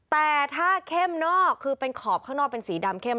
แต่ถ้าเข้มนอกคือเป็นขอบข้างนอกเป็นสีดำเข้ม